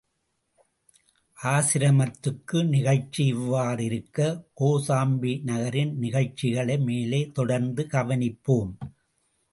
ஆசிரமத்து நிகழ்ச்சி இவ்வாறிருக்கக் கோசாம்பி நகரின் நிகழ்ச்சிகளை மேலே தொடர்ந்து கவனிப்போம்.